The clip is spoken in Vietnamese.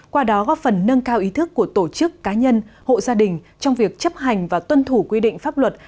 qua đó góp phần nâng cao ý thức của tổ chức cá nhân hộ gia đình trong việc chấp hành và tuân thủ quy định pháp luật